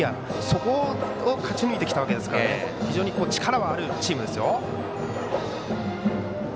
そこを勝ち抜いてきたわけですから非常に力はあるチームですよ。